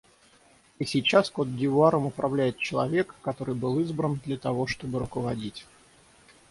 И сейчас Кот-д'Ивуаром управляет человек, который был избран, для того чтобы руководить.